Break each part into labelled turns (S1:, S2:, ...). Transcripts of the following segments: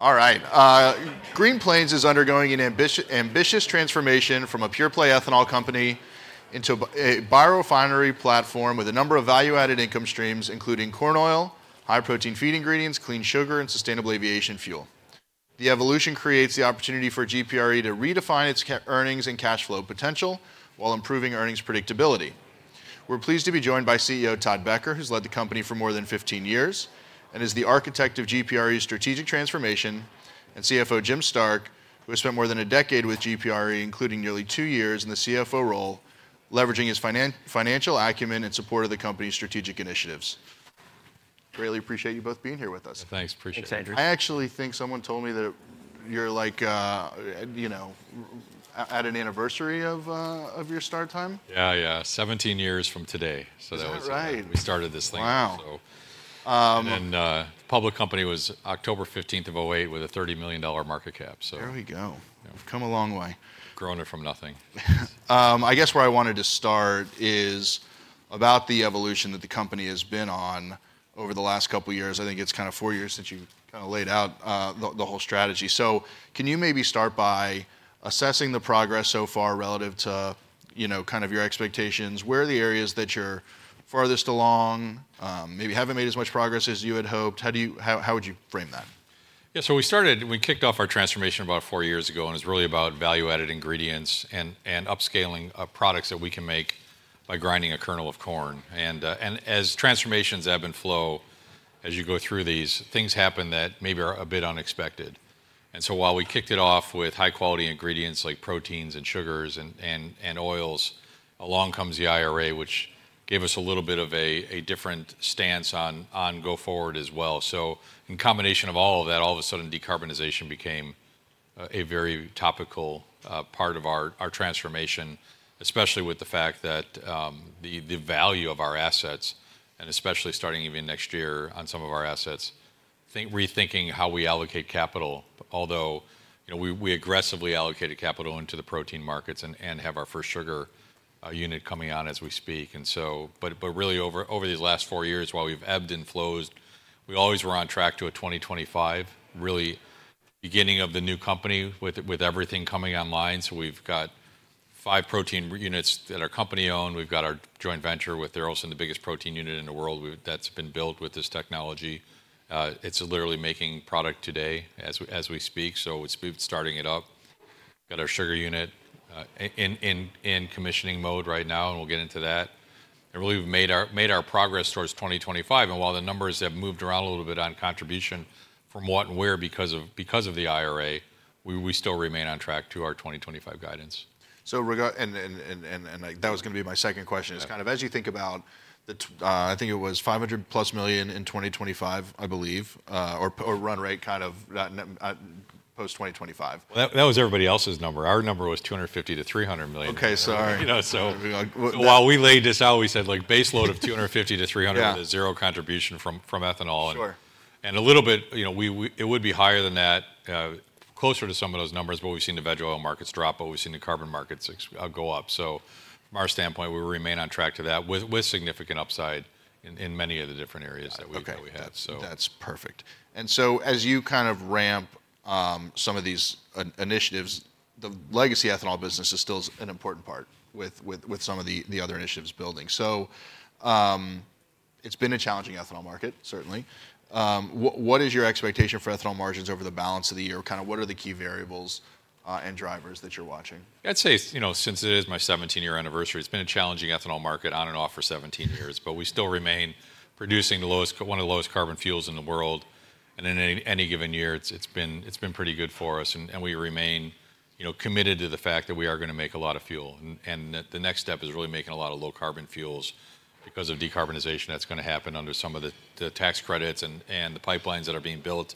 S1: All right. Green Plains is undergoing an ambitious transformation from a pure-play ethanol company into a biorefinery platform with a number of value-added income streams, including corn oil, high-protein feed ingredients, clean sugar, and sustainable aviation fuel. The evolution creates the opportunity for GPRE to redefine its earnings and cash flow potential while improving earnings predictability. We're pleased to be joined by CEO Todd Becker, who's led the company for more than 15 years, and is the architect of GPRE's strategic transformation, and CFO Jim Stark, who has spent more than a decade with GPRE, including nearly two years in the CFO role, leveraging his financial acumen in support of the company's strategic initiatives. Greatly appreciate you both being here with us.
S2: Thanks. Appreciate it.
S3: Thanks, Andrew.
S1: I actually think someone told me that you're, like, you know, at an anniversary of your start time.
S2: Yeah, yeah. 17 years from today. So that was when we started this thing.
S1: Is that right? Wow.
S2: The public company was October 15th, 2008 with a $30 million market cap.
S1: There we go. We've come a long way.
S2: Grown it from nothing.
S1: I guess where I wanted to start is about the evolution that the company has been on over the last couple years. I think it's kind of four years since you kind of laid out the whole strategy. So can you maybe start by assessing the progress so far relative to, you know, kind of your expectations? Where are the areas that you're farthest along, maybe haven't made as much progress as you had hoped? How would you frame that?
S2: Yeah. So we kicked off our transformation about four years ago, and it was really about value-added ingredients and upscaling products that we can make by grinding a kernel of corn. And as transformations ebb and flow, as you go through these, things happen that maybe are a bit unexpected. And so while we kicked it off with high-quality ingredients like proteins and sugars and oils, along comes the IRA, which gave us a little bit of a different stance on go forward as well. So in combination of all of that, all of a sudden decarbonization became a very topical part of our transformation, especially with the fact that the value of our assets, and especially starting even next year on some of our assets, rethinking how we allocate capital, although, you know, we aggressively allocated capital into the protein markets and have our first sugar unit coming on as we speak. But really over these last four years, while we've ebbed and flowed, we always were on track to 2025, really beginning of the new company with everything coming online. So we've got five protein units that are company-owned. We've got our joint venture with Tharaldson, the biggest protein unit in the world that's been built with this technology. It's literally making product today as we speak. We've started it up. Got our sugar unit in commissioning mode right now, and we'll get into that. Really we've made our progress towards 2025. While the numbers have moved around a little bit on contribution from what and where because of the IRA, we still remain on track to our 2025 guidance.
S1: So regarding, like, that was gonna be my second question. It's kind of as you think about the, I think it was $500+ million in 2025, I believe, or run rate kind of post-2025.
S2: Well, that was everybody else's number. Our number was $250 million-$300 million.
S1: Okay. Sorry.
S2: You know, so while we laid this out, we said, like, baseload of $250 million-$300 million with a zero contribution from ethanol.
S1: Sure.
S2: A little bit, you know, it would be higher than that, closer to some of those numbers, but we've seen the vegetable oil markets drop, but we've seen the carbon markets go up. So from our standpoint, we remain on track to that with significant upside in many of the different areas that we had, so.
S1: Okay. That's perfect. And so as you kind of ramp some of these initiatives, the legacy ethanol business is still an important part with some of the other initiatives building. So, it's been a challenging ethanol market, certainly. What is your expectation for ethanol margins over the balance of the year? Kind of what are the key variables and drivers that you're watching?
S2: I'd say, you know, since it is my 17-year anniversary, it's been a challenging ethanol market on and off for 17 years, but we still remain producing the lowest one of the lowest carbon fuels in the world. And in any given year, it's been pretty good for us. And we remain, you know, committed to the fact that we are gonna make a lot of fuel. And the next step is really making a lot of low-carbon fuels because of decarbonization that's gonna happen under some of the tax credits and the pipelines that are being built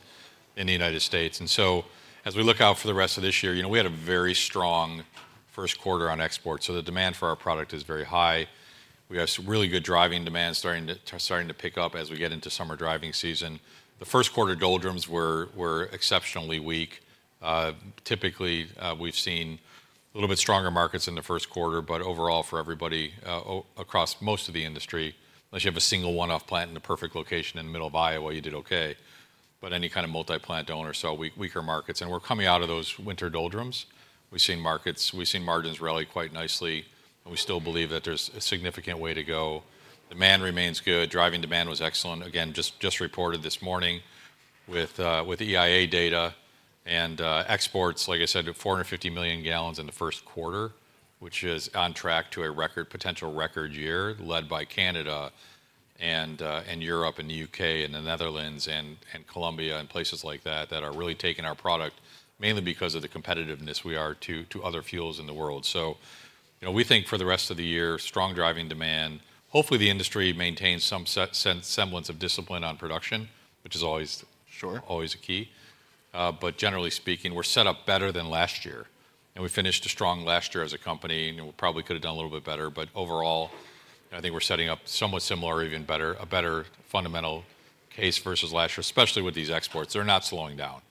S2: in the United States. And so as we look out for the rest of this year, you know, we had a very strong first quarter on exports. So the demand for our product is very high. We have some really good driving demand starting to pick up as we get into summer driving season. The first quarter doldrums were exceptionally weak. Typically, we've seen a little bit stronger markets in the first quarter, but overall for everybody, across most of the industry, unless you have a single one-off plant in the perfect location in the middle of Iowa, you did okay. But any kind of multi-plant owner, so weaker markets. And we're coming out of those winter doldrums. We've seen margins rally quite nicely, and we still believe that there's a significant way to go. Demand remains good. Driving demand was excellent. Again, just reported this morning with EIA data. Exports, like I said, 450 million gal in the first quarter, which is on track to a record potential record year led by Canada and Europe and the U.K. and the Netherlands and Colombia and places like that that are really taking our product mainly because of the competitiveness we are to other fuels in the world. So, you know, we think for the rest of the year, strong driving demand. Hopefully, the industry maintains some semblance of discipline on production, which is always.
S1: Sure.
S2: Always a key. But generally speaking, we're set up better than last year. We finished a strong last year as a company. You know, we probably could have done a little bit better, but overall, I think we're setting up somewhat similar, even better, a better fundamental case versus last year, especially with these exports. They're not slowing down.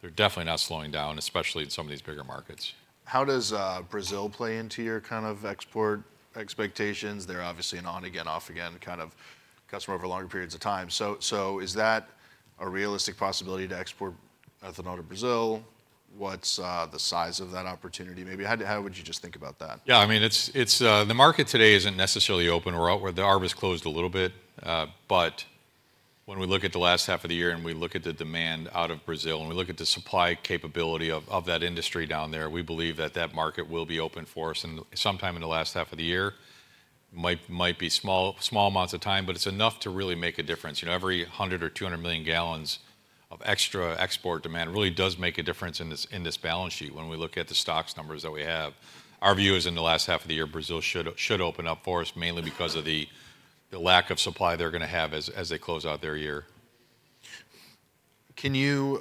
S2: They're definitely not slowing down, especially in some of these bigger markets.
S1: How does Brazil play into your kind of export expectations? They're obviously an on-again, off-again kind of customer over longer periods of time. So is that a realistic possibility to export ethanol to Brazil? What's the size of that opportunity maybe? How would you just think about that?
S2: Yeah. I mean, it's the market today isn't necessarily open. We're out where the harvest closed a little bit. But when we look at the last half of the year and we look at the demand out of Brazil and we look at the supply capability of that industry down there, we believe that that market will be open for us sometime in the last half of the year. It might be small amounts of time, but it's enough to really make a difference. You know, every 100 million or 200 million gal of extra export demand really does make a difference in this balance sheet when we look at the stocks numbers that we have. Our view is in the last half of the year, Brazil should open up for us mainly because of the lack of supply they're gonna have as they close out their year.
S1: Can you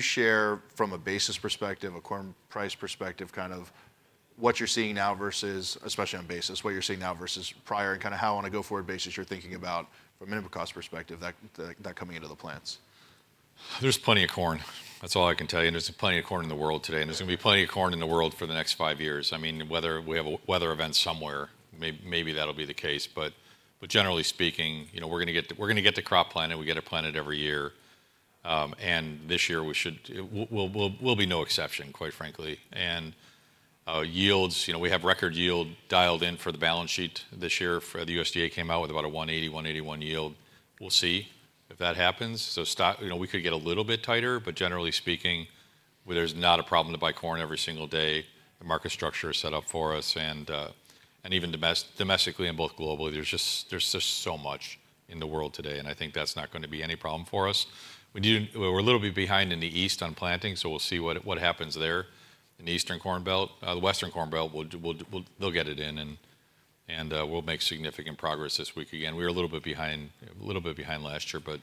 S1: share from a basis perspective, a corn price perspective, kind of what you're seeing now versus especially on basis, what you're seeing now versus prior, and kind of how on a go forward basis you're thinking about from minimum cost perspective that coming into the plants?
S2: There's plenty of corn. That's all I can tell you. There's plenty of corn in the world today. There's gonna be plenty of corn in the world for the next five years. I mean, whether we have a weather event somewhere, maybe that'll be the case. But generally speaking, you know, we're gonna get the crop planted. We get it planted every year. And this year we should. We'll be no exception, quite frankly. Yields, you know, we have record yield dialed in for the balance sheet this year. The USDA came out with about a 180, 181 yield. We'll see if that happens. So stock, you know, we could get a little bit tighter, but generally speaking, there's not a problem to buy corn every single day. The market structure is set up for us. Even domestically and both globally, there's just so much in the world today. And I think that's not gonna be any problem for us. We're a little bit behind in the east on planting, so we'll see what happens there in the Eastern Corn Belt. Western Corn Belt will get it in, and we'll make significant progress this week again. We are a little bit behind last year, but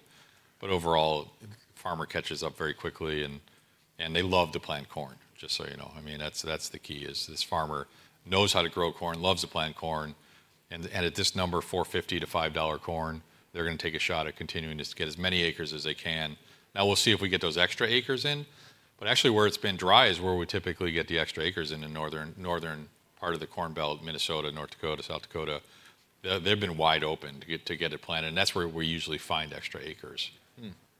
S2: overall, farmer catches up very quickly, and they love to plant corn, just so you know. I mean, that's the key, is this farmer knows how to grow corn, loves to plant corn. And at this number, $4.50-$5 corn, they're gonna take a shot at continuing to get as many acres as they can. Now, we'll see if we get those extra acres in. But actually, where it's been dry is where we typically get the extra acres in, in northern part of the Corn Belt, Minnesota, North Dakota, South Dakota. They've been wide open to get it planted. And that's where we usually find extra acres.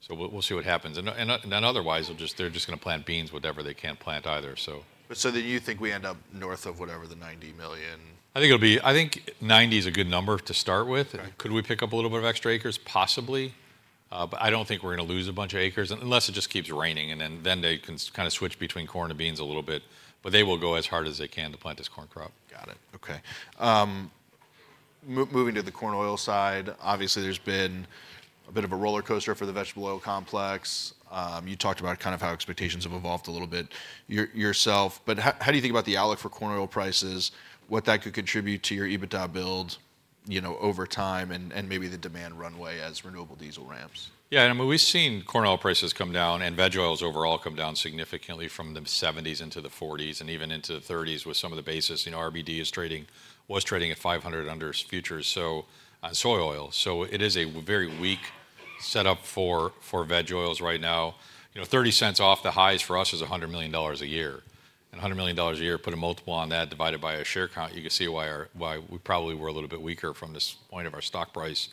S2: So we'll see what happens. And otherwise, they'll just gonna plant beans, whatever they can't plant either, so.
S1: But so then you think we end up north of whatever the $90 million?
S2: I think it'll be I think 90 is a good number to start with. Could we pick up a little bit of extra acres? Possibly. But I don't think we're gonna lose a bunch of acres unless it just keeps raining. And then, then they can kind of switch between corn and beans a little bit, but they will go as hard as they can to plant this corn crop.
S1: Got it. Okay. Moving to the corn oil side, obviously, there's been a bit of a roller coaster for the vegetable oil complex. You talked about kind of how expectations have evolved a little bit yourself. But how, how do you think about the outlook for corn oil prices, what that could contribute to your EBITDA build, you know, over time and, and maybe the demand runway as renewable diesel ramps?
S2: Yeah. And I mean, we've seen corn oil prices come down and veg oils overall come down significantly from the 70s into the 40s and even into the 30s with some of the basis. You know, RBD was trading at 500 under futures, so on soy oil. So it is a very weak setup for veg oils right now. You know, $0.30 off the highs for us is $100 million a year. And $100 million a year, put a multiple on that divided by our share count, you can see why we probably were a little bit weaker from this point of our stock price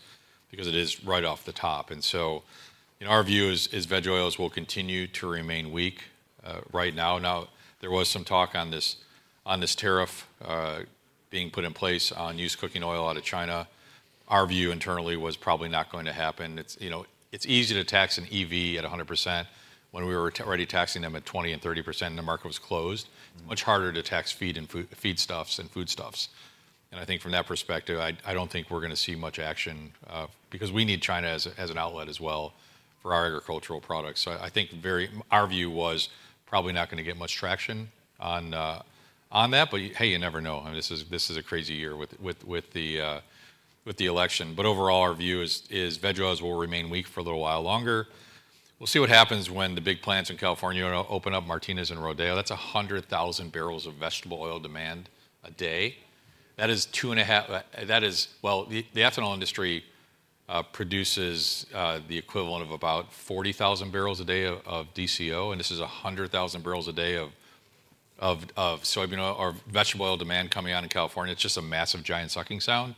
S2: because it is right off the top. And so, you know, our view is veg oils will continue to remain weak right now. Now, there was some talk on this on this tariff, being put in place on used cooking oil out of China. Our view internally was probably not going to happen. It's, you know, it's easy to tax an EV at 100%. When we were already taxing them at 20%-30% and the market was closed, it's much harder to tax feed and food feedstuffs and foodstuffs. And I think from that perspective, I, I don't think we're gonna see much action, because we need China as a as an outlet as well for our agricultural products. So I think very our view was probably not gonna get much traction on, on that. But hey, you never know. I mean, this is this is a crazy year with, with, with the, with the election. But overall, our view is, is veg oils will remain weak for a little while longer. We'll see what happens when the big plants in California open up. Martinez and Rodeo, that's 100,000 barrels of vegetable oil demand a day. That is 2.5. Well, the ethanol industry produces the equivalent of about 40,000 barrels a day of DCO. And this is 100,000 barrels a day of soybean oil or vegetable oil demand coming out in California. It's just a massive giant sucking sound.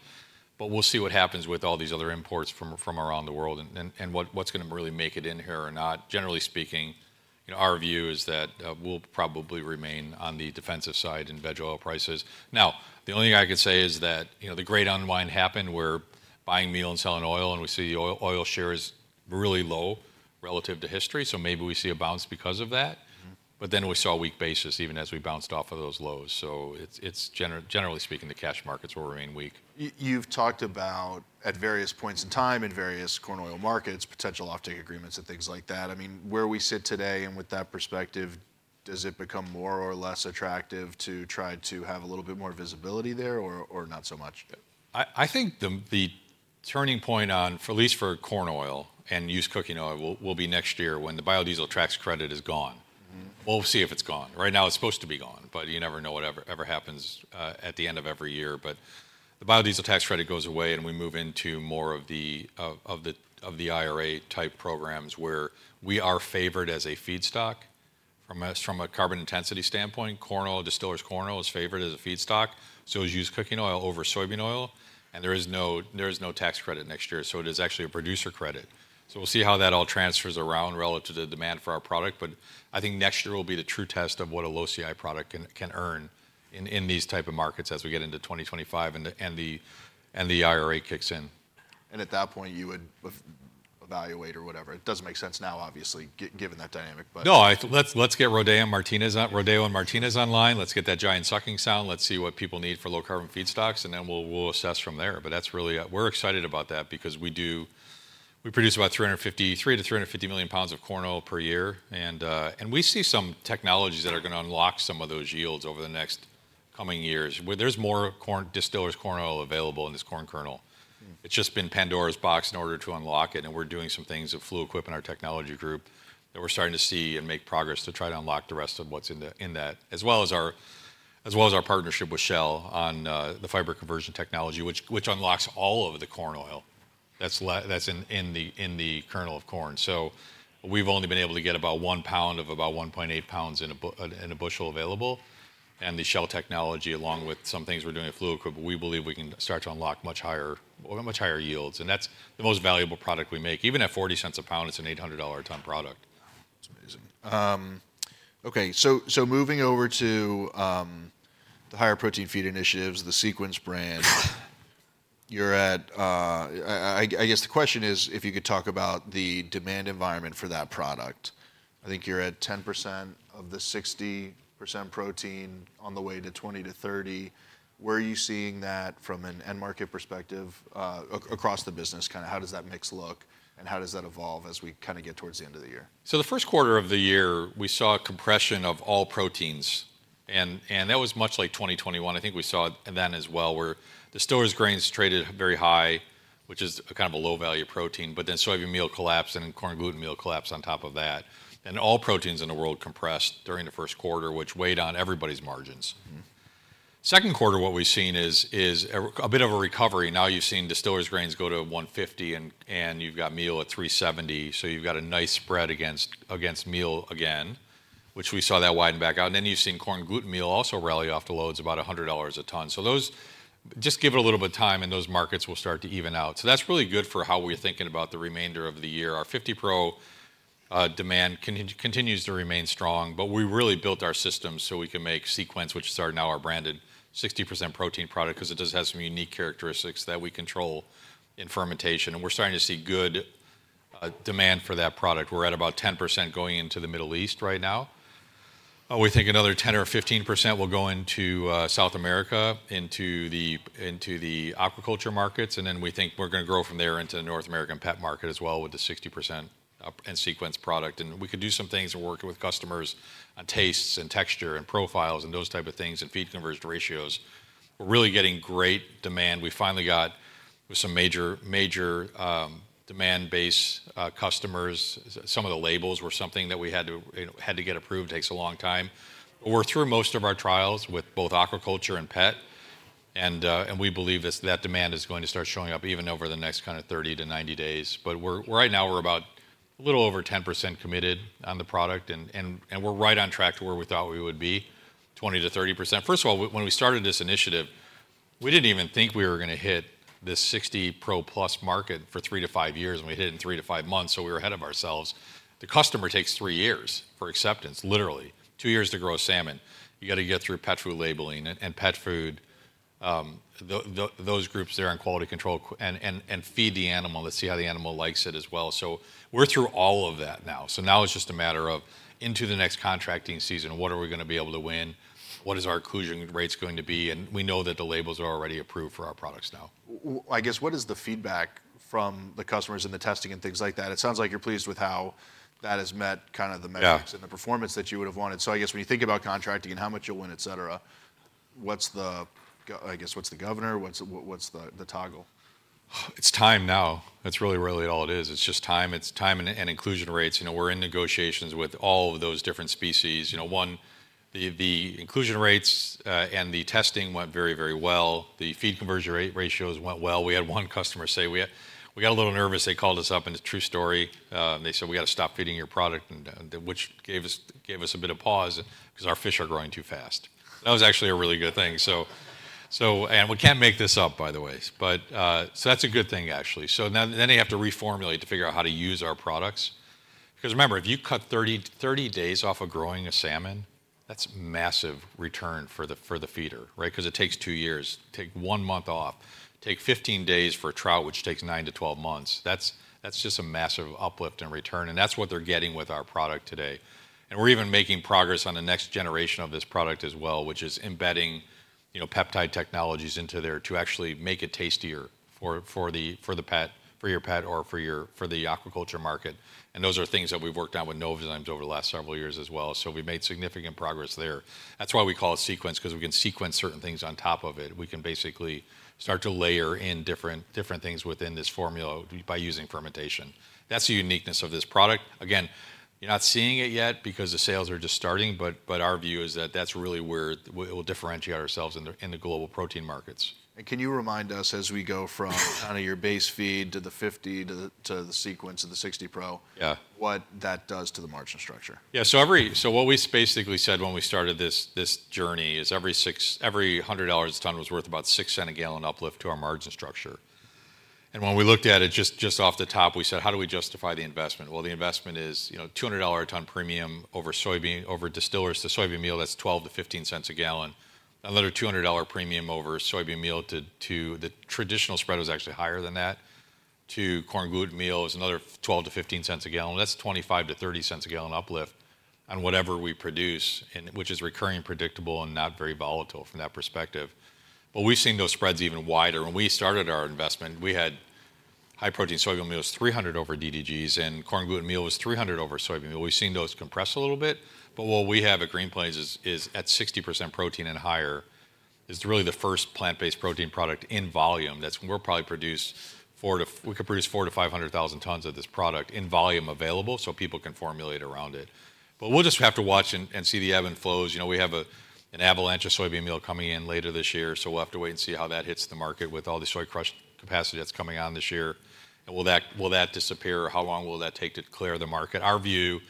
S2: But we'll see what happens with all these other imports from around the world and what what's gonna really make it in here or not. Generally speaking, you know, our view is that, we'll probably remain on the defensive side in veg oil prices. Now, the only thing I could say is that, you know, the great unwind happened. We're buying meal and selling oil, and we see the oil share is really low relative to history. So maybe we see a bounce because of that. But then we saw a weak basis even as we bounced off of those lows. So it's generally speaking, the cash markets will remain weak.
S1: You've talked about at various points in time in various corn oil markets, potential offtake agreements and things like that. I mean, where we sit today and with that perspective, does it become more or less attractive to try to have a little bit more visibility there or, or not so much?
S2: I think the turning point on at least for corn oil and used cooking oil will be next year when the biodiesel tax credit is gone. We'll see if it's gone. Right now, it's supposed to be gone, but you never know whatever happens at the end of every year. But the biodiesel tax credit goes away, and we move into more of the IRA type programs where we are favored as a feedstock from a carbon intensity standpoint. Corn oil distillers' corn oil is favored as a feedstock, so is used cooking oil over soybean oil. And there is no tax credit next year, so it is actually a producer credit. So we'll see how that all transfers around relative to demand for our product. But I think next year will be the true test of what a low CI product can earn in these type of markets as we get into 2025 and the IRA kicks in.
S1: At that point, you would evaluate or whatever. It doesn't make sense now, obviously, given that dynamic, but.
S2: No, let's get Rodeo and Martinez online. Let's get that giant sucking sound. Let's see what people need for low-carbon feedstocks, and then we'll assess from there. But that's really we're excited about that because we produce about 353 million-350 million pounds of corn oil per year. And we see some technologies that are gonna unlock some of those yields over the next coming years. There's more corn distillers' corn oil available in this corn kernel. It's just been Pandora's box in order to unlock it. And we're doing some things with Fluid Quip and our technology group that we're starting to see and make progress to try to unlock the rest of what's in that as well as our partnership with Shell on the fiber conversion technology, which unlocks all of the corn oil that's left in the kernel of corn. So we've only been able to get about 1 lb of about 1.8 lbs in a bushel available. And the Shell technology, along with some things we're doing at Fluid Quip, we believe we can start to unlock much higher yields. And that's the most valuable product we make. Even at $0.40 a lb, it's an $800 a ton product.
S1: Wow. That's amazing. Okay. So, moving over to the higher protein feed initiatives, the Sequence brand, you're at, I guess the question is if you could talk about the demand environment for that product. I think you're at 10% of the 60% protein on the way to 20%-30%. Where are you seeing that from an end market perspective, across the business? Kind of how does that mix look, and how does that evolve as we kind of get towards the end of the year?
S2: So the first quarter of the year, we saw a compression of all proteins. And, and that was much like 2021. I think we saw it then as well where distillers grains traded very high, which is a kind of a low-value protein. But then soybean meal collapsed, and then corn gluten meal collapsed on top of that. And all proteins in the world compressed during the first quarter, which weighed on everybody's margins. Second quarter, what we've seen is, is a bit of a recovery. Now you've seen distillers grains go to 150, and, and you've got meal at 370. So you've got a nice spread against, against meal again, which we saw that widen back out. And then you've seen corn gluten meal also rally off the lows about $100 a ton. So those just give it a little bit of time, and those markets will start to even out. So that's really good for how we're thinking about the remainder of the year. Our 50 Pro demand continues to remain strong, but we really built our system so we can make Sequence, which is now our branded 60% protein product because it does have some unique characteristics that we control in fermentation. And we're starting to see good demand for that product. We're at about 10% going into the Middle East right now. We think another 10%-15% will go into South America, into the aquaculture markets. And then we think we're gonna grow from there into the North American pet market as well with the 60% and Sequence product. And we could do some things and work with customers on tastes and texture and profiles and those type of things and feed conversion ratios. We're really getting great demand. We finally got some major, major, demand-based, customers. Some of the labels were something that we had to had to get approved. Takes a long time. But we're through most of our trials with both aquaculture and pet. And, and we believe that that demand is going to start showing up even over the next kind of 30-90 days. But we're right now, we're about a little over 10% committed on the product. And, and, and we're right on track to where we thought we would be, 20%-30%. First of all, when we started this initiative, we didn't even think we were gonna hit this 60 Pro+ market for three to five years. And we hit it in three to five months, so we were ahead of ourselves. The customer takes three years for acceptance, literally, two years to grow salmon. You got to get through pet food labeling and pet food, those groups there on quality control and, and, and feed the animal. Let's see how the animal likes it as well. So we're through all of that now. So now it's just a matter of into the next contracting season, what are we gonna be able to win? What is our inclusion rates going to be? And we know that the labels are already approved for our products now.
S1: I guess what is the feedback from the customers and the testing and things like that? It sounds like you're pleased with how that has met kind of the metrics and the performance that you would have wanted. So I guess when you think about contracting and how much you'll win, etc., what's the, I guess, what's the governor? What's the toggle?
S2: It's time now. That's really, really all it is. It's just time. It's time and inclusion rates. You know, we're in negotiations with all of those different species. You know, one, the inclusion rates, and the testing went very, very well. The feed conversion rate ratios went well. We had one customer say we got a little nervous. They called us up, and it's a true story. They said, "We got to stop feeding your product," which gave us a bit of pause because our fish are growing too fast. That was actually a really good thing. So and we can't make this up, by the way. But, so that's a good thing, actually. So now then they have to reformulate to figure out how to use our products because remember, if you cut 30 days off of growing a salmon, that's massive return for the feeder, right? Because it takes two years. Take one month off. Take 15 days for a trout, which takes nine to 12 months. That's just a massive uplift in return. And that's what they're getting with our product today. And we're even making progress on the next generation of this product as well, which is embedding, you know, peptide technologies into there to actually make it tastier for the pet, for your pet or for the aquaculture market. And those are things that we've worked on with Novozymes over the last several years as well. So we've made significant progress there. That's why we call it Sequence because we can sequence certain things on top of it. We can basically start to layer in different, different things within this formula by using fermentation. That's the uniqueness of this product. Again, you're not seeing it yet because the sales are just starting. But, but our view is that that's really where it will differentiate ourselves in the in the global protein markets.
S1: Can you remind us as we go from kind of your base feed to the 50 to the Sequence and the 60 Pro, yeah, what that does to the margin structure?
S2: Yeah. So what we basically said when we started this journey is every $100 a ton was worth about $0.06 a gal uplift to our margin structure. And when we looked at it just off the top, we said, "How do we justify the investment?" Well, the investment is, you know, $200 a ton premium over soybean meal over distillers. The soybean meal, that's $0.12-$0.15 a gal. Another $200 premium over soybean meal to the traditional spread was actually higher than that. To corn gluten meal is another $0.12-$0.15 a gal. That's $0.25-$0.30 a gal uplift on whatever we produce, which is recurring, predictable, and not very volatile from that perspective. But we've seen those spreads even wider. When we started our investment, we had high-protein soybean meal was $300 over DDGs, and corn gluten meal was $300 over soybean meal. We've seen those compress a little bit. But what we have at Green Plains is at 60% protein and higher is really the first plant-based protein product in volume that's we'll probably produce four- to we could produce 400,000 to 500,000 tons of this product in volume available so people can formulate around it. But we'll just have to watch and see the ebb and flows. You know, we have an avalanche of soybean meal coming in later this year. So we'll have to wait and see how that hits the market with all the soy crush capacity that's coming on this year. And will that disappear? How long will that take to clear the market? Our view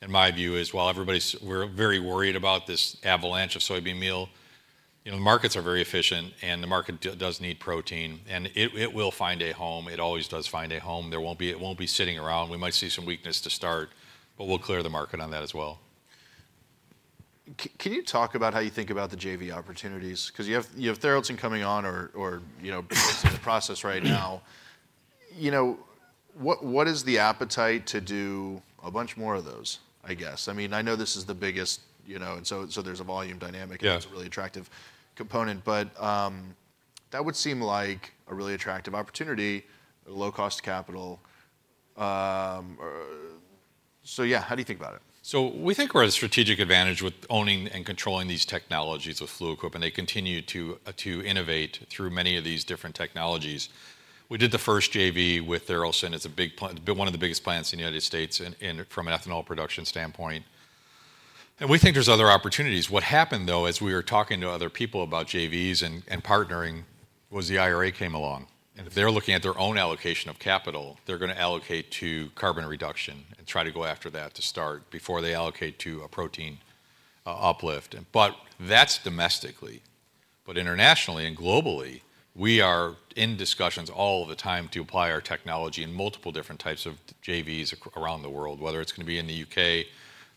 S2: and my view is while everybody's, we're very worried about this avalanche of soybean meal, you know, the markets are very efficient, and the market does need protein. And it will find a home. It always does find a home. There won't be. It won't be sitting around. We might see some weakness to start, but we'll clear the market on that as well.
S1: Can you talk about how you think about the JV opportunities? Because you have Tharaldson coming on or, you know, in the process right now. You know, what is the appetite to do a bunch more of those, I guess? I mean, I know this is the biggest, you know, and so there's a volume dynamic, and that's a really attractive component. But that would seem like a really attractive opportunity, low-cost capital. So yeah. How do you think about it?
S2: So we think we're at a strategic advantage with owning and controlling these technologies with Fluid Quip, and they continue to innovate through many of these different technologies. We did the first JV with Tharaldson. It's a big plant. It's one of the biggest plants in the United States from an ethanol production standpoint. And we think there's other opportunities. What happened, though, as we were talking to other people about JVs and partnering was the IRA came along. And if they're looking at their own allocation of capital, they're going to allocate to carbon reduction and try to go after that to start before they allocate to a protein uplift. But that's domestically. But internationally and globally, we are in discussions all of the time to apply our technology in multiple different types of JVs around the world, whether it's going to be in the U.K.,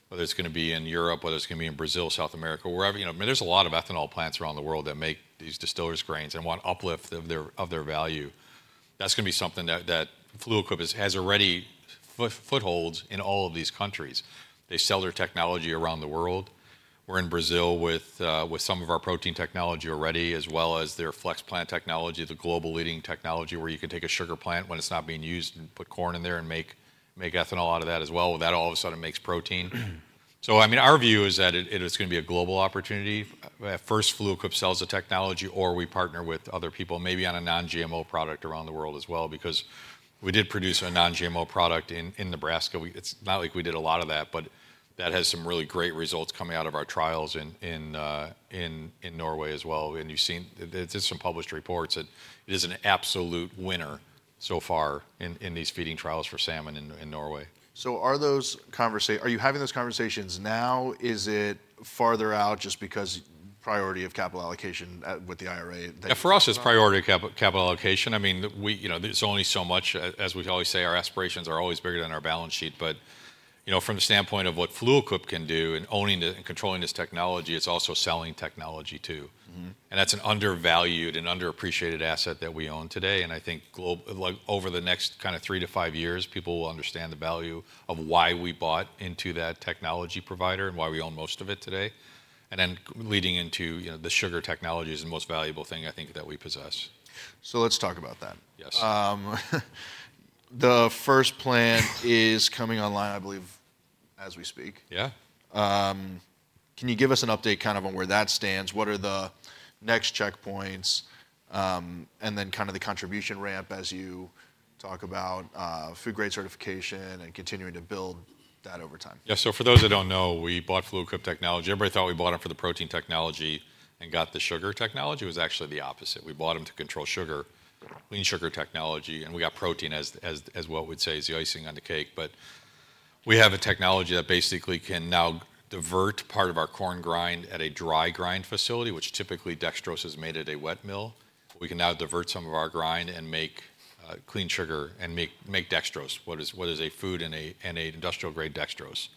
S2: whether it's going to be in Europe, whether it's going to be in Brazil, South America, wherever. You know, I mean, there's a lot of ethanol plants around the world that make these distillers' grains and want uplift of their value. That's going to be something that Fluid Quip has already footholds in all of these countries. They sell their technology around the world. We're in Brazil with some of our protein technology already, as well as their FlexPlant technology, the global leading technology where you can take a sugar plant when it's not being used and put corn in there and make ethanol out of that as well. That all of a sudden makes protein. So, I mean, our view is that it's going to be a global opportunity. First, Fluid Quip sells the technology, or we partner with other people, maybe on a non-GMO product around the world as well because we did produce a non-GMO product in Nebraska. It's not like we did a lot of that, but that has some really great results coming out of our trials in Norway as well. And you've seen there's some published reports that it is an absolute winner so far in these feeding trials for salmon in Norway.
S1: So are you having those conversations now? Is it farther out just because priority of capital allocation with the IRA that you?
S2: Yeah. For us, it's priority of capital allocation. I mean, we, you know, there's only so much. As we always say, our aspirations are always bigger than our balance sheet. But, you know, from the standpoint of what Fluid Quip can do and owning and controlling this technology, it's also selling technology too. And that's an undervalued and underappreciated asset that we own today. And I think globally over the next kind of three to five years, people will understand the value of why we bought into that technology provider and why we own most of it today. And then leading into, you know, the sugar technology is the most valuable thing, I think, that we possess.
S1: Let's talk about that.
S2: Yes.
S1: The first plant is coming online, I believe, as we speak.
S2: Yeah.
S1: Can you give us an update kind of on where that stands? What are the next checkpoints? And then kind of the contribution ramp as you talk about, food grade certification and continuing to build that over time.
S2: Yeah. So for those that don't know, we bought Fluid Quip Technologies. Everybody thought we bought them for the protein technology and got the sugar technology. It was actually the opposite. We bought them to control sugar, Clean Sugar Technology, and we got protein as what we'd say is the icing on the cake. But we have a technology that basically can now divert part of our corn grind at a dry grind facility, which typically dextrose has made at a wet mill. We can now divert some of our grind and make clean sugar and make dextrose, what is a food in an industrial-grade dextrose.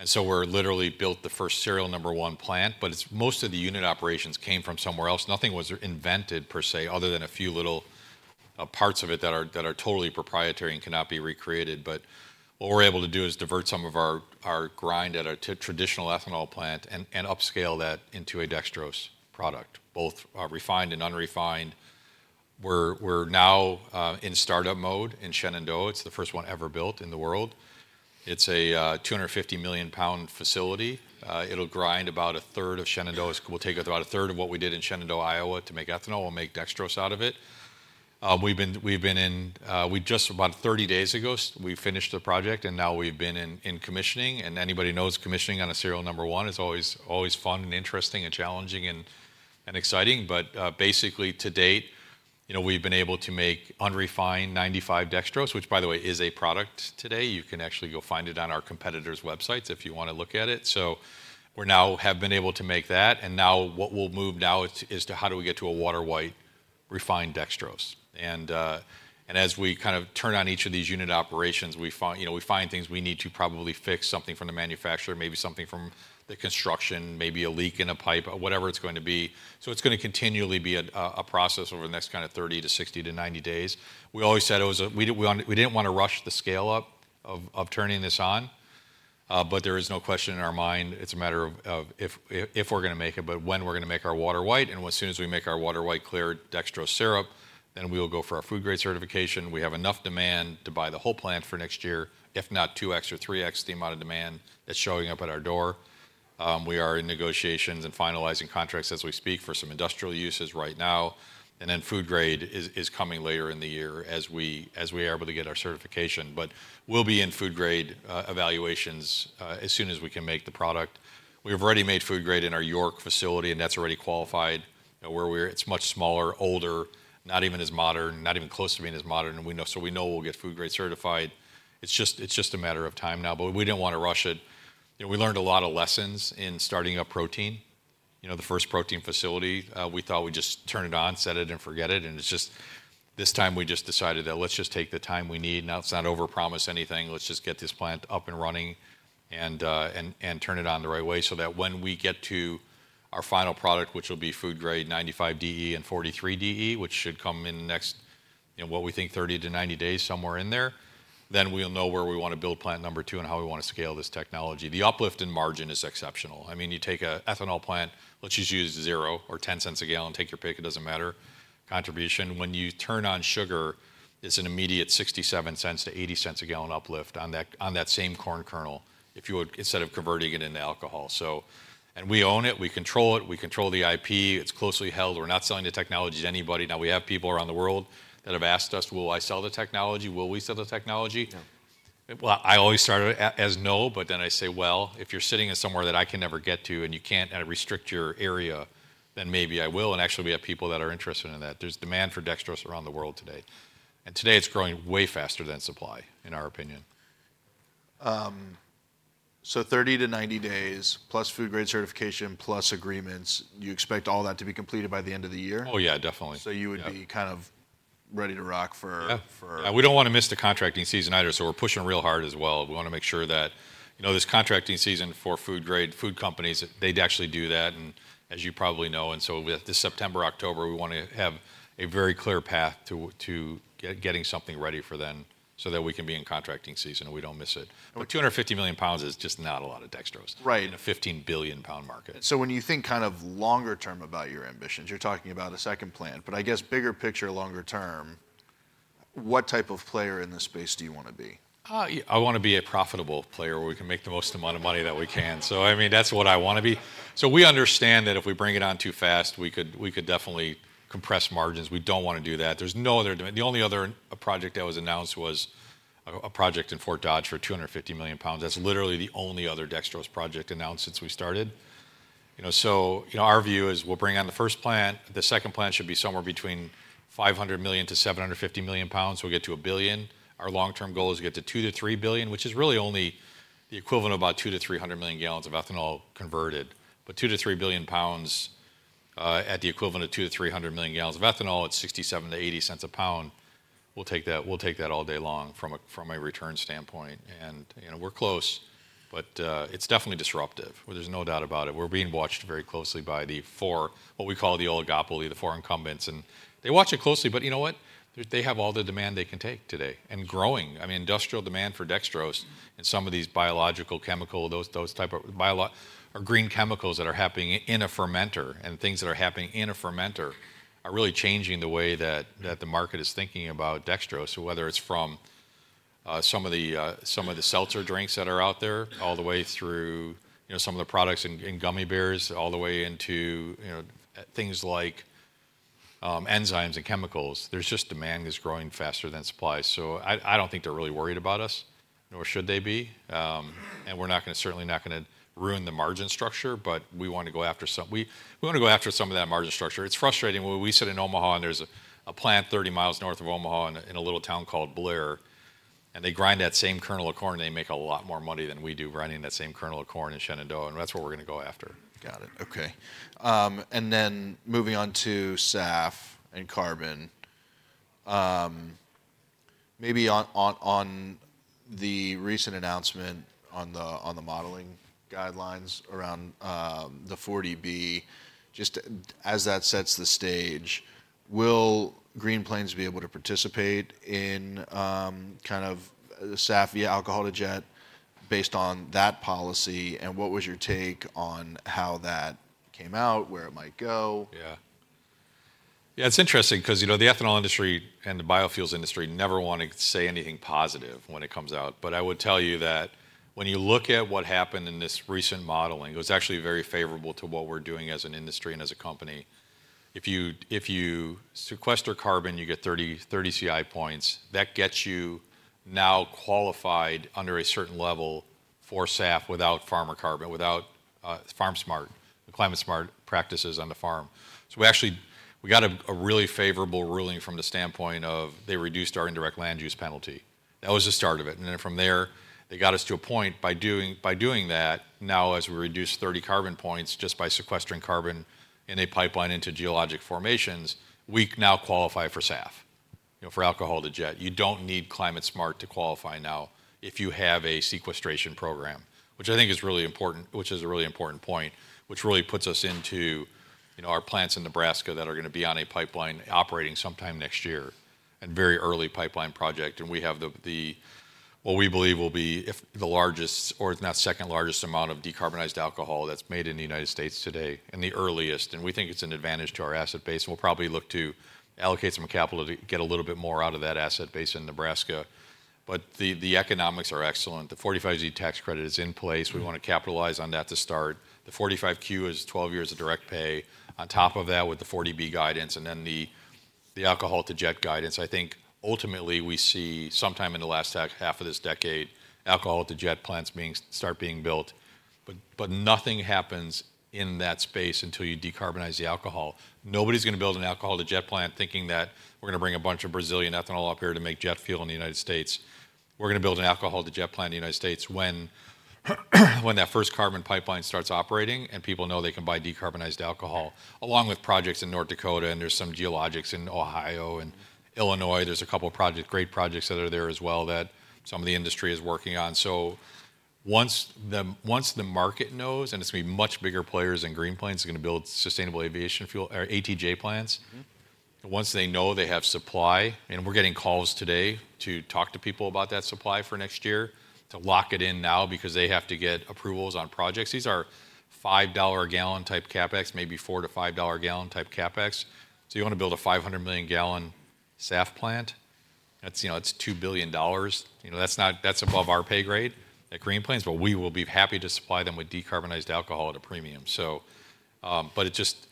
S2: And so we're literally built the first serial number one plant, but it's most of the unit operations came from somewhere else. Nothing was invented per se other than a few little parts of it that are totally proprietary and cannot be recreated. But what we're able to do is divert some of our grind at a traditional ethanol plant and upscale that into a dextrose product, both refined and unrefined. We're now in startup mode in Shenandoah. It's the first one ever built in the world. It's a 250 million lb facility. It'll grind about a third of Shenandoah. It will take about a third of what we did in Shenandoah, Iowa, to make ethanol. We'll make dextrose out of it. We just about 30 days ago finished the project, and now we've been in commissioning. And anybody knows commissioning on a serial number one is always fun and interesting and exciting. Basically to date, you know, we've been able to make unrefined 95 dextrose, which, by the way, is a product today. You can actually go find it on our competitors' websites if you want to look at it. So we're now have been able to make that. And now what we'll move now is to how do we get to a water-white refined dextrose. And, and as we kind of turn on each of these unit operations, we find you know, we find things we need to probably fix, something from the manufacturer, maybe something from the construction, maybe a leak in a pipe, whatever it's going to be. So it's going to continually be a, a process over the next kind of 30-60-90 days. We always said it was that we didn't want to rush the scale up of turning this on. But there is no question in our mind. It's a matter of if we're going to make it, but when we're going to make our water-white. And as soon as we make our water-white clear dextrose syrup, then we will go for our food grade certification. We have enough demand to buy the whole plant for next year, if not 2x or 3x the amount of demand that's showing up at our door. We are in negotiations and finalizing contracts as we speak for some industrial uses right now. And then food grade is coming later in the year as we are able to get our certification. But we'll be in food grade evaluations as soon as we can make the product. We have already made food grade in our York facility, and that's already qualified, you know, where we are, it's much smaller, older, not even as modern, not even close to being as modern. We know we'll get food grade certified. It's just a matter of time now, but we didn't want to rush it. You know, we learned a lot of lessons in starting up protein. You know, the first protein facility, we thought we'd just turn it on, set it, and forget it. And it's just this time we just decided that let's just take the time we need. Now, let's not overpromise anything. Let's just get this plant up and running and turn it on the right way so that when we get to our final product, which will be food grade 95DE and 43DE, which should come in the next, you know, what we think 30-90 days, somewhere in there, then we'll know where we want to build plant number two and how we want to scale this technology. The uplift in margin is exceptional. I mean, you take an ethanol plant, let's just use zero or $0.10 a gal, take your pick, it doesn't matter, contribution. When you turn on sugar, it's an immediate $0.67-$0.80/gal uplift on that same corn kernel if you would instead of converting it into alcohol. So we own it. We control it. We control the IP. It's closely held. We're not selling the technology to anybody. Now, we have people around the world that have asked us, "Will I sell the technology? Will we sell the technology?" Well, I always start it as no, but then I say, "Well, if you're sitting in somewhere that I can never get to and you can't restrict your area, then maybe I will." And actually, we have people that are interested in that. There's demand for dextrose around the world today. And today, it's growing way faster than supply, in our opinion.
S1: 30-90 days plus food grade certification plus agreements. You expect all that to be completed by the end of the year?
S2: Oh, yeah. Definitely.
S1: So you would be kind of ready to rock for.
S2: Yeah. We don't want to miss the contracting season either, so we're pushing real hard as well. We want to make sure that, you know, this contracting season for food grade food companies, they'd actually do that. And as you probably know, and so with this September, October, we want to have a very clear path to getting something ready for then so that we can be in contracting season and we don't miss it. But 250 million lbs is just not a lot of dextrose in a $15 billion market.
S1: Right. So when you think kind of longer term about your ambitions, you're talking about a second plan, but I guess bigger picture, longer term, what type of player in this space do you want to be?
S2: I want to be a profitable player where we can make the most amount of money that we can. So, I mean, that's what I want to be. So we understand that if we bring it on too fast, we could definitely compress margins. We don't want to do that. The only other project that was announced was a project in Fort Dodge for 250 million lb. That's literally the only other dextrose project announced since we started. You know, so, you know, our view is we'll bring on the first plant. The second plant should be somewhere between 500 million lbs-750 million lbs. We'll get to a billion. Our long-term goal is to get to 2 billion lbs-3 billion lbs, which is really only the equivalent of about 200 million gal-300 million gal of ethanol converted. But 2 billion lbs-3 billion lbs, at the equivalent of 200 million gal-300 million gal of ethanol at $0.67-$0.80 a pound, we'll take that we'll take that all day long from a from a return standpoint. And, you know, we're close, but, it's definitely disruptive. There's no doubt about it. We're being watched very closely by the four what we call the oligopoly, the four incumbents. And they watch it closely, but you know what? They have all the demand they can take today and growing. I mean, industrial demand for dextrose and some of these biological, chemical, those those type of biologic or green chemicals that are happening in a fermenter and things that are happening in a fermenter are really changing the way that that the market is thinking about dextrose. So whether it's from, some of the, some of the seltzer drinks that are out there all the way through, you know, some of the products in in gummy bears all the way into, you know, things like, enzymes and chemicals, there's just demand that's growing faster than supply. So I I don't think they're really worried about us, nor should they be. And we're not going to certainly not going to ruin the margin structure, but we want to go after some we we want to go after some of that margin structure. It's frustrating. We sit in Omaha, and there's a a plant 30 mi north of Omaha in a little town called Blair. And they grind that same kernel of corn, and they make a lot more money than we do grinding that same kernel of corn in Shenandoah. And that's what we're going to go after.
S1: Got it. Okay, and then moving on to SAF and carbon, maybe on the recent announcement on the modeling guidelines around the 40B, just as that sets the stage, will Green Plains be able to participate in kind of SAF via alcohol-to-jet based on that policy? And what was your take on how that came out, where it might go?
S2: Yeah. Yeah. It's interesting because, you know, the ethanol industry and the biofuels industry never want to say anything positive when it comes out. But I would tell you that when you look at what happened in this recent modeling, it was actually very favorable to what we're doing as an industry and as a company. If you sequester carbon, you get 30 CI points. That gets you now qualified under a certain level for SAF without farmer carbon, without FarmSmart, the climate-smart practices on the farm. So we actually got a really favorable ruling from the standpoint of they reduced our indirect land use penalty. That was the start of it. Then from there, they got us to a point by doing that. Now as we reduce 30 carbon points just by sequestering carbon in a pipeline into geologic formations, we now qualify for SAF, you know, for alcohol-to-jet. You don't need FarmSmart to qualify now if you have a sequestration program, which I think is really important, which is a really important point, which really puts us into, you know, our plants in Nebraska that are going to be on a pipeline operating sometime next year and very early pipeline project. And we have the what we believe will be if the largest or if not second largest amount of decarbonized alcohol that's made in the United States today and the earliest. And we think it's an advantage to our asset base. We'll probably look to allocate some capital to get a little bit more out of that asset base in Nebraska. But the economics are excellent. The 45Z tax credit is in place. We want to capitalize on that to start. The 45Q is 12 years of direct pay on top of that with the 40B guidance and then the alcohol-to-jet guidance. I think ultimately we see sometime in the last half of this decade alcohol-to-jet plants being built. But nothing happens in that space until you decarbonize the alcohol. Nobody's going to build an alcohol-to-jet plant thinking that we're going to bring a bunch of Brazilian ethanol up here to make jet fuel in the United States. We're going to build an alcohol-to-jet plant in the United States when that first carbon pipeline starts operating and people know they can buy decarbonized alcohol along with projects in North Dakota. And there's some geologies in Ohio and Illinois. There's a couple of projects, great projects that are there as well that some of the industry is working on. So once the market knows and it's going to be much bigger players in Green Plains, it's going to build sustainable aviation fuel or ATJ plants. Once they know they have supply, and we're getting calls today to talk to people about that supply for next year to lock it in now because they have to get approvals on projects. These are $5 a gal type CapEx, maybe $4 gal-$5 a gal type CapEx. So you want to build a $500 million gal SAF plant? That's, you know, that's $2 billion. You know, that's not that's above our pay grade at Green Plains, but we will be happy to supply them with decarbonized alcohol at a premium. So, but it just,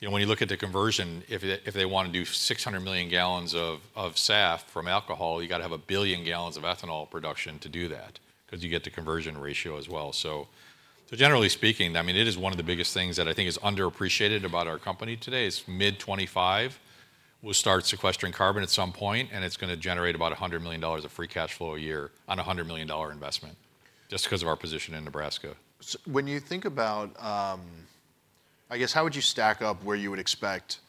S2: you know, when you look at the conversion, if they if they want to do 600 million gal of of SAF from alcohol, you got to have 1 billion gal of ethanol production to do that because you get the conversion ratio as well. So, so generally speaking, I mean, it is one of the biggest things that I think is underappreciated about our company today is mid-2025 will start sequestering carbon at some point, and it's going to generate about $100 million of free cash flow a year on a $100 million investment just because of our position in Nebraska.
S1: So when you think about, I guess, how would you stack up where you would expect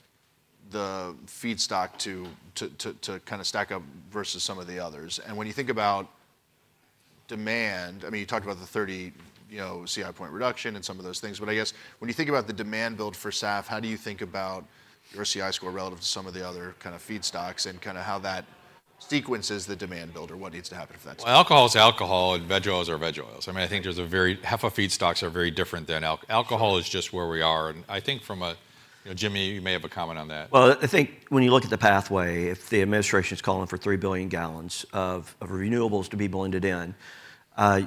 S1: the feedstock to kind of stack up versus some of the others? And when you think about demand, I mean, you talked about the 30, you know, CI point reduction and some of those things. But I guess when you think about the demand build for SAF, how do you think about your CI score relative to some of the other kind of feedstocks and kind of how that sequences the demand build or what needs to happen for that?
S2: Well, alcohol is alcohol and veg oils are veg oils. I mean, I think there's a very different half of feedstocks that are very different than alcohol. It's just where we are. And I think from a, you know, Jim, you may have a comment on that.
S3: Well, I think when you look at the pathway, if the administration's calling for 3 billion gal of renewables to be blended in,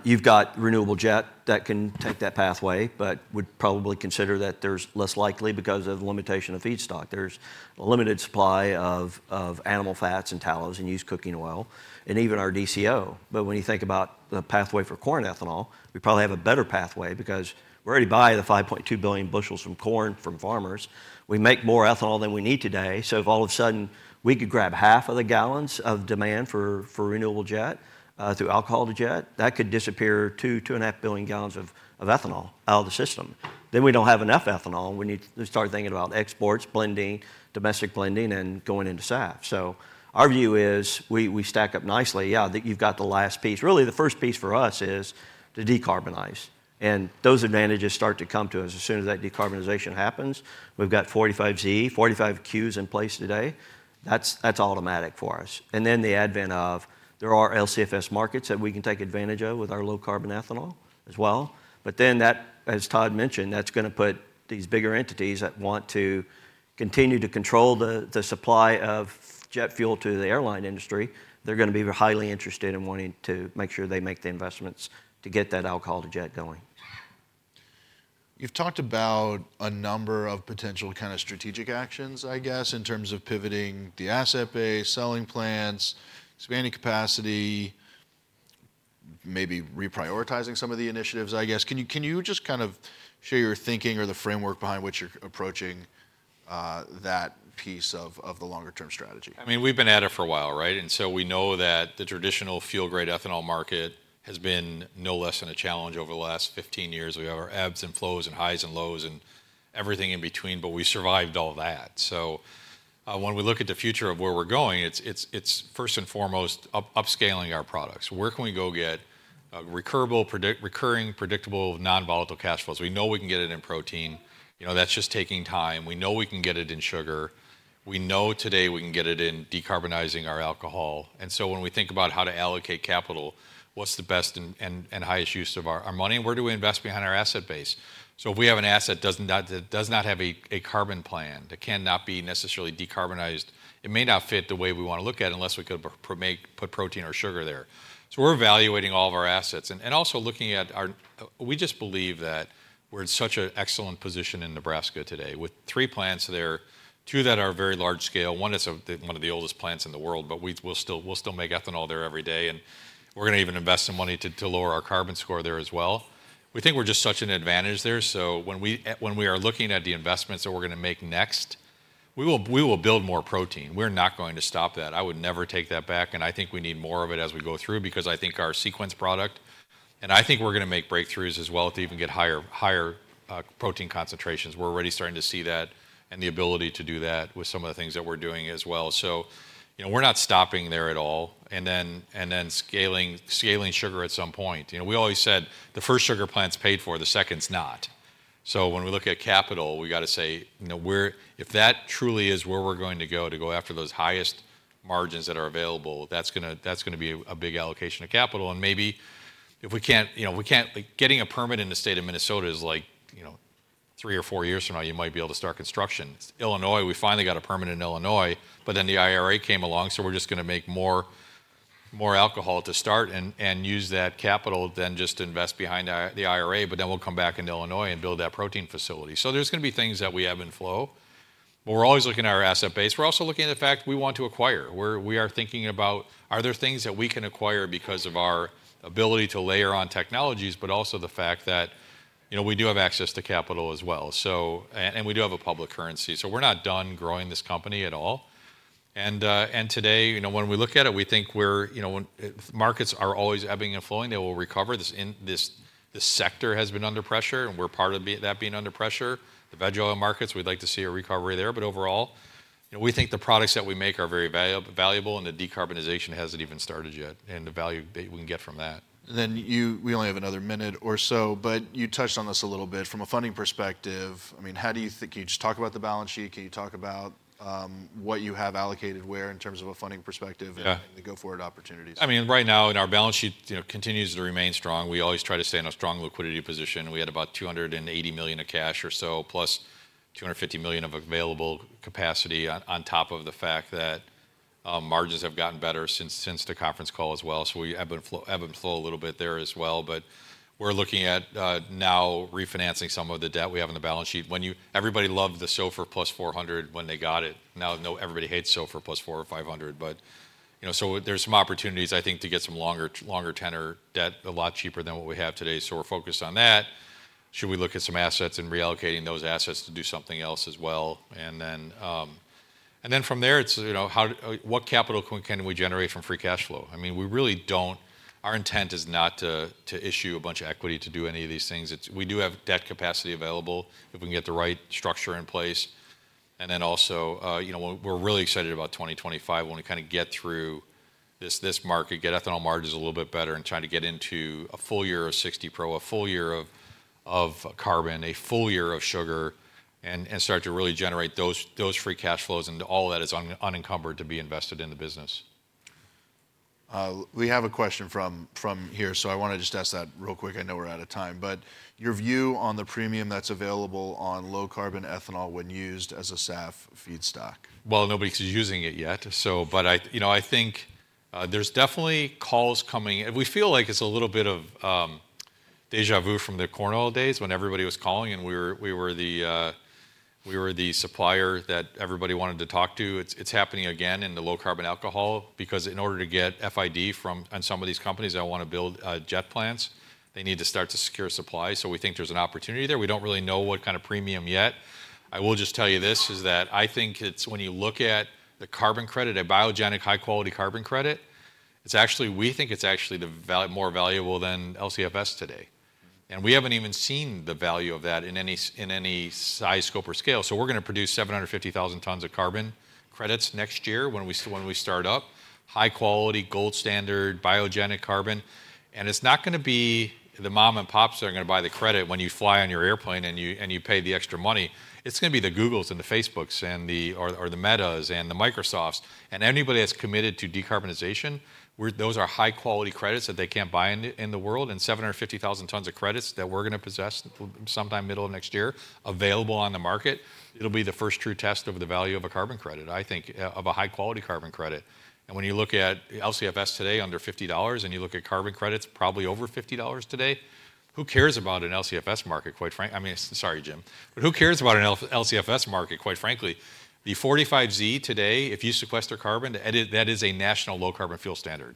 S3: you've got renewable jet that can take that pathway but would probably consider that there's less likely because of the limitation of feedstock. There's a limited supply of animal fats and tallows and used cooking oil and even our DCO. But when you think about the pathway for corn ethanol, we probably have a better pathway because we already buy the 5.2 billion bushels of corn from farmers. We make more ethanol than we need today. So if all of a sudden we could grab half of the gallons of demand for renewable jet, through alcohol-to-jet, that could disappear 2 billion gal-2.5 billion gal of ethanol out of the system. Then we don't have enough ethanol. We need to start thinking about exports, blending, domestic blending, and going into SAF. So our view is we stack up nicely. Yeah, that you've got the last piece. Really, the first piece for us is to decarbonize. And those advantages start to come to us as soon as that decarbonization happens. We've got 45Z, 45Q's in place today. That's automatic for us. And then the advent of there are LCFS markets that we can take advantage of with our low carbon ethanol as well. But then that, as Todd mentioned, that's going to put these bigger entities that want to continue to control the supply of jet fuel to the airline industry, they're going to be highly interested in wanting to make sure they make the investments to get that alcohol-to-jet going.
S1: You've talked about a number of potential kind of strategic actions, I guess, in terms of pivoting the asset base, selling plants, expanding capacity, maybe reprioritizing some of the initiatives, I guess. Can you just kind of share your thinking or the framework behind which you're approaching that piece of the longer-term strategy?
S2: I mean, we've been at it for a while, right? And so we know that the traditional fuel-grade ethanol market has been no less than a challenge over the last 15 years. We have our ebbs and flows and highs and lows and everything in between, but we survived all that. So, when we look at the future of where we're going, it's first and foremost upscaling our products. Where can we go get recurring, predictable non-volatile cash flows? We know we can get it in protein. You know, that's just taking time. We know we can get it in sugar. We know today we can get it in decarbonizing our alcohol. And so when we think about how to allocate capital, what's the best and highest use of our money? And where do we invest behind our asset base? So if we have an asset that does not have a carbon plan that cannot be necessarily decarbonized, it may not fit the way we want to look at it unless we could make or put protein or sugar there. So we're evaluating all of our assets and also looking at our. We just believe that we're in such an excellent position in Nebraska today with three plants there, two that are very large scale. One is one of the oldest plants in the world, but we'll still make ethanol there every day. And we're going to even invest some money to lower our carbon score there as well. We think we're just such an advantage there. So when we are looking at the investments that we're going to make next, we will build more protein. We're not going to stop that. I would never take that back. I think we need more of it as we go through because I think our Sequence product and I think we're going to make breakthroughs as well to even get higher higher, protein concentrations. We're already starting to see that and the ability to do that with some of the things that we're doing as well. So, you know, we're not stopping there at all and then and then scaling scaling sugar at some point. You know, we always said the first sugar plant's paid for, the second's not. So when we look at capital, we got to say, you know, we're if that truly is where we're going to go to go after those highest margins that are available, that's going to that's going to be a big allocation of capital. Maybe if we can't, you know, get a permit in the state of Minnesota, it's like, you know, three or four years from now, you might be able to start construction. Illinois, we finally got a permit in Illinois, but then the IRA came along. So we're just going to make more alcohol to start and use that capital to just invest behind the IRA. But then we'll come back into Illinois and build that protein facility. So there's going to be things that we have in flow, but we're always looking at our asset base. We're also looking at the fact we want to acquire. We are thinking about, are there things that we can acquire because of our ability to layer on technologies, but also the fact that, you know, we do have access to capital as well. We do have a public currency. So we're not done growing this company at all. And today, you know, when we look at it, we think we're, you know, when markets are always ebbing and flowing, they will recover. This sector has been under pressure, and we're part of that being under pressure. The veg oil markets, we'd like to see a recovery there. But overall, you know, we think the products that we make are very valuable, and the decarbonization hasn't even started yet. And the value that we can get from that.
S1: Then, we only have another minute or so, but you touched on this a little bit from a funding perspective. I mean, how do you think, can you just talk about the balance sheet? Can you talk about what you have allocated where in terms of a funding perspective and the go-forward opportunities?
S2: I mean, right now in our balance sheet, you know, continues to remain strong. We always try to stay in a strong liquidity position. We had about $280 million of cash or so plus $250 million of available capacity on top of the fact that, margins have gotten better since the conference call as well. So we ebb and flow a little bit there as well. But we're looking at, now refinancing some of the debt we have in the balance sheet. When you everybody loved the SOFR plus 400 when they got it. Now, no, everybody hates SOFR plus 400 or 500. But, you know, so there's some opportunities, I think, to get some longer tenor debt a lot cheaper than what we have today. So we're focused on that. Should we look at some assets and reallocating those assets to do something else as well? And then, and then from there, it's, you know, how what capital can we generate from free cash flow? I mean, we really don't our intent is not to to issue a bunch of equity to do any of these things. It's we do have debt capacity available if we can get the right structure in place. And then also, you know, we're really excited about 2025 when we kind of get through this this market, get ethanol margins a little bit better and trying to get into a full year of 60 Pro, a full year of of carbon, a full year of sugar, and and start to really generate those those free cash flows. And all of that is unencumbered to be invested in the business.
S1: We have a question from here. So I want to just ask that real quick. I know we're out of time, but your view on the premium that's available on low carbon ethanol when used as a SAF feedstock?
S2: Well, nobody's using it yet. So but I, you know, I think, there's definitely calls coming. We feel like it's a little bit of, déjà vu from the corn oil days when everybody was calling and we were we were the, we were the supplier that everybody wanted to talk to. It's it's happening again in the low carbon alcohol because in order to get FID from on some of these companies, they want to build, jet plants. They need to start to secure supply. So we think there's an opportunity there. We don't really know what kind of premium yet. I will just tell you this is that I think it's when you look at the carbon credit, a biogenic high-quality carbon credit, it's actually we think it's actually the more valuable than LCFS today. And we haven't even seen the value of that in any size scope or scale. So we're going to produce 750,000 tons of carbon credits next year when we start up high-quality gold standard biogenic carbon. And it's not going to be the mom and pops that are going to buy the credit when you fly on your airplane and you pay the extra money. It's going to be the Googles and the Facebooks and the Metas and the Microsofts and anybody that's committed to decarbonization. Those are high-quality credits that they can't buy in the world and 750,000 tons of credits that we're going to possess sometime middle of next year available on the market. It'll be the first true test of the value of a carbon credit, I think, of a high-quality carbon credit. And when you look at LCFS today under $50 and you look at carbon credits probably over $50 today, who cares about an LCFS market, quite frankly? I mean, sorry, Jim, but who cares about an LCFS market, quite frankly? The 45Z today, if you sequester carbon, that is a national low carbon fuel standard.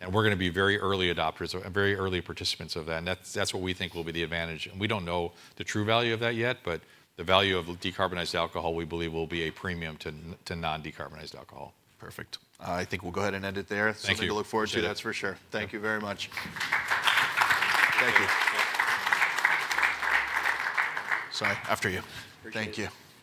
S2: And we're going to be very early adopters and very early participants of that. And that's what we think will be the advantage. And we don't know the true value of that yet, but the value of decarbonized alcohol we believe will be a premium to non-decarbonized alcohol.
S1: Perfect. I think we'll go ahead and end it there. Something to look forward to, that's for sure. Thank you very much. Thank you. Sorry, after you. Thank you.